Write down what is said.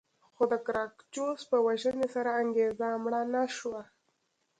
خو د ګراکچوس په وژنې سره انګېزه مړه نه شوه